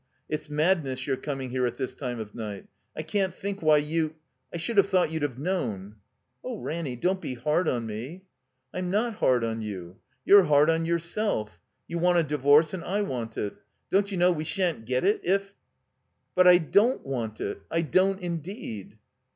It's madness your coming here at this time of night. I can't think why you — ^I should have thought you'd have known —" *'0h, Ranny, don't be hard on me." "I'm not hard on you. You're hard on yourself. You want a divorce and I want it. Don't you know we sha'n't get it — if —" "But I don't want it— I don't indeed."